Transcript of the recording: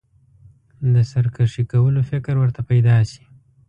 د سرکښي کولو فکر ورته پیدا شي.